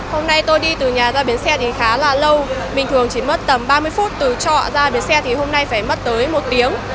hôm nay tôi đi từ nhà ra bến xe thì khá là lâu bình thường chỉ mất tầm ba mươi phút từ trọ ra bến xe thì hôm nay phải mất tới một tiếng